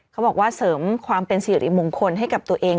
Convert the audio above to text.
เขาบอกว่าเสริมความเป็นสิริมงคลให้กับตัวเอง